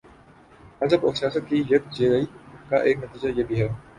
مذہب اور سیاست کی یک جائی کا ایک نتیجہ یہ بھی ہے۔